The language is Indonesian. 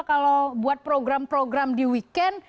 kalau buat program program di weekend